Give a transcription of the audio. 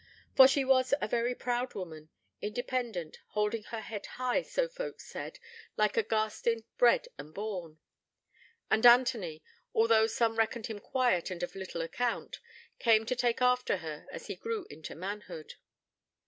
For she was a very proud woman, independent, holding her head high, so folks said, like a Garstin bred and born; and Anthony, although some reckoned him quiet and of little account, came to take after her as he grew into manhood.